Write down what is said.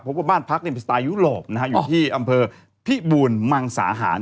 ว่าบ้านพักเป็นสไตล์ยุโรปนะฮะอยู่ที่อำเภอพิบูรมังสาหาร